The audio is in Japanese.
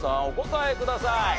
お答えください。